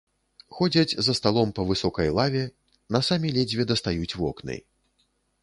Ходзяць за сталом па высокай лаве, насамі ледзьве дастаюць вокны.